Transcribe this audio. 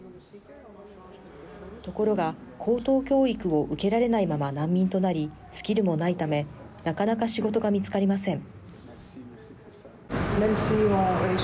ところが、高等教育を受けられないまま難民となりスキルもないためなかなか仕事が見つかりません。